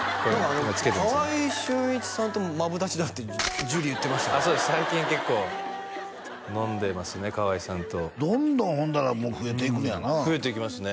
でも「川合俊一さんともマブダチだ」って樹言ってましたあっそうです最近結構飲んでますね川合さんとどんどんほんなら増えていくねやな増えていきますね